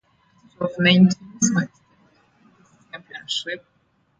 A total of nine teams contested this championship.